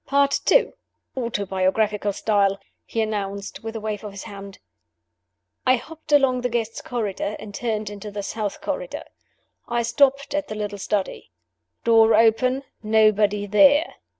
"Part Two; Autobiographical Style," he announced, with a wave of his hand. "I hopped along the Guests' Corridor, and turned into the South Corridor. I stopped at the little study. Door open; nobody there.